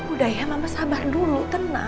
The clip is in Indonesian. udah ya mama sabar dulu tenang